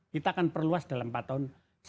kita akan perluas dalam empat tahun